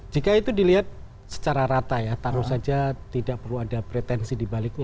jika itu dilihat secara rata ya taruh saja tidak perlu ada pretensi dibaliknya